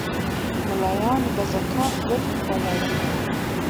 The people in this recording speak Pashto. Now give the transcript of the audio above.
مُلایانو به زکات ولي خوړلای